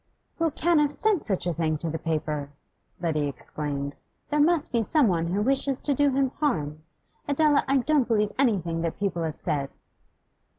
'Who can have sent such a thing to the paper?' Letty exclaimed. 'There must be someone who wishes to do him harm. Adela, I don't believe anything that people have said!